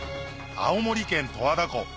青森県十和田湖